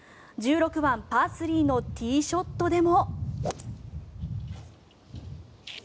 １６番、パー３のティーショットでも。